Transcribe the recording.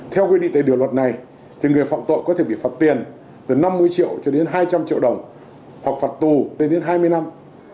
theo quy định tại điều luật này thì người phạm tội có thể bị phạt tiền từ năm mươi triệu cho đến hai trăm linh triệu đồng hoặc phạt tù lên đến hai mươi năm